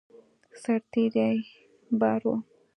سرتېري بار وو.